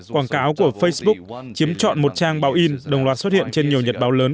quảng cáo của facebook chiếm chọn một trang báo in đồng loạt xuất hiện trên nhiều nhật báo lớn